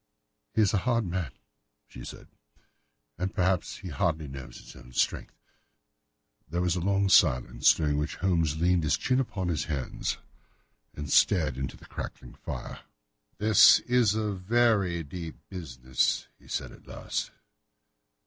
"He is a hard man," she said, "and perhaps he hardly knows his own strength." There was a long silence, during which Holmes leaned his chin upon his hands and stared into the crackling fire. "This is a very deep business," he said at last.